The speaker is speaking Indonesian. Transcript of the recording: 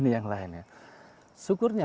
yang lainnya syukurnya